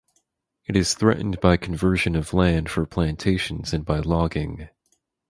It is threatened by conversion of land for plantations and by logging.